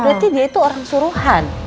berarti dia itu orang suruhan